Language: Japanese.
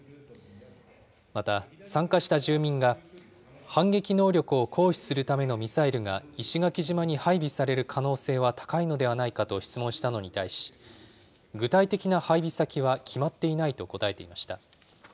また、参加した住民が、反撃能力を行使するためのミサイルが石垣島に配備される可能性は高いのではないかと質問したのに対し、具体的な配備先は決まっていないと答えていました。